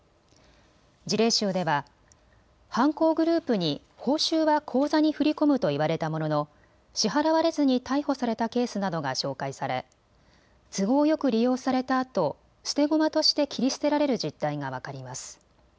事例集では、犯行グループに報酬は口座に振り込むと言われたものの支払われずに逮捕されたケースなどが紹介され都合よく利用されたあと捨て駒として切り捨てられる実態が分かります。